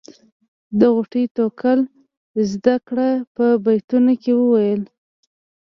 د غوټۍ توکل زده کړه په بیتونو کې وویل.